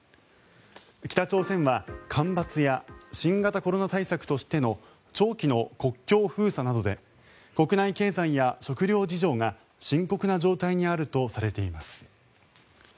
北朝鮮は干ばつや新型コロナ対策としての長期の国境封鎖などで国内経済や食料事情が深刻な状態にあるとされています。